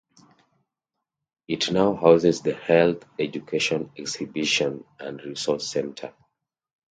It now houses the Health Education Exhibition and Resource Centre.